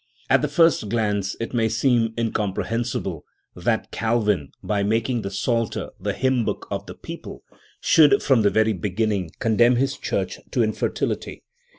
At the first glance it may seem incomprehensible that Calvin, by making the Psalter the hymn book of the people, should from the very beginning condemn his church to infertility.